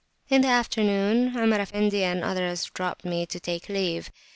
In the afternoon, Omar Effendi and others dropped in to take leave.